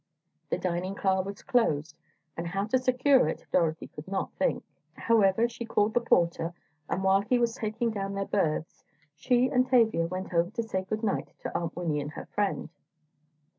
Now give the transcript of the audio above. The dining car was closed, and how to secure it, Dorothy could not think. However, she called the porter, and, while he was taking down their berths, she and Tavia went over to say good night to Aunt Winnie and her friend.